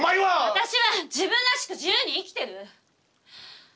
私は自分らしく自由に生きてる！